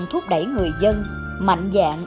thuốc đẩy người dân mạnh dạng